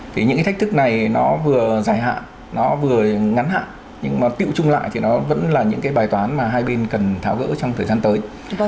thì những cái thách thức này nó vừa dài hạn nó vừa ngắn hạn nhưng mà tiệu trung lại thì nó vẫn là những cái bài toán mà hai bên cần tháo gỡ trong thời gian tới